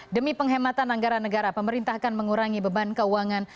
demi penghematan anggaran negara pemerintah akan mengurangi beban keuangan